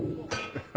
ハハハ。